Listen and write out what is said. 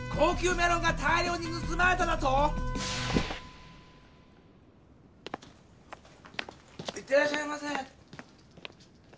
メロンが大りょうにぬすまれただと⁉いってらっしゃいませ。